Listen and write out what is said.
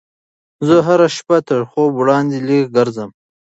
زه هره شپه تر خوب وړاندې لږ ګرځم.